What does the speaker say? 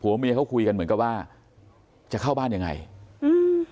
เมียเขาคุยกันเหมือนกับว่าจะเข้าบ้านยังไงอืม